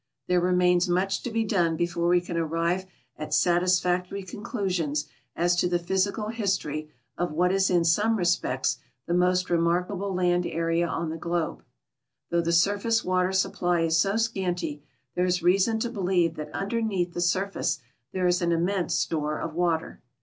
There remains much to be done before we can arrive at satisfactory conclusions as to THE UNMAPPED AREAS ON THE EARTH'S SURFACE 203 the pliysical history of what is in some respects the most remark able hind area on the globe. Thougli tlie surface water 8Ui)i.ly is so scanty, there is reason to believe that underneatli tlie sur face there is an immense store of water.